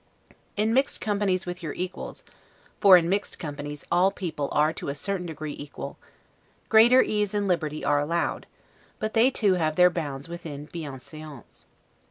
In mixed companies with your equals (for in mixed companies all people are to a certain degree equal), greater ease and liberty are allowed; but they too have their bounds within 'bienseance'.